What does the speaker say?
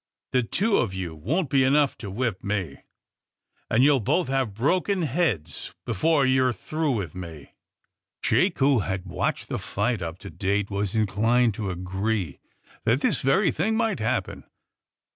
The two of you won't be enough to whip me, and you'll both have broken heads before you're through with me." Jake, who had watched the fight up to date, AND THE SMUGGLEES 43 was inclined to agree that this very thing might happen.